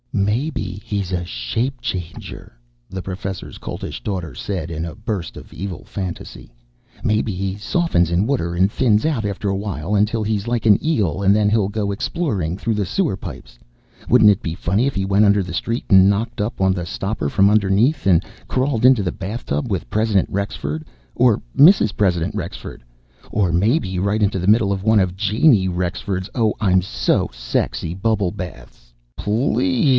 "Maybe he's a shape changer," the Professor's Coltish Daughter said in a burst of evil fantasy. "Maybe he softens in water and thins out after a while until he's like an eel and then he'll go exploring through the sewer pipes. Wouldn't it be funny if he went under the street and knocked on the stopper from underneath and crawled into the bathtub with President Rexford, or Mrs. President Rexford, or maybe right into the middle of one of Janey Rexford's Oh I'm so sexy bubble baths?" "Please!"